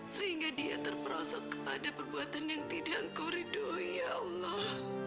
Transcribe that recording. sehingga dia terperosok kepada perbuatan yang tidak korido ya allah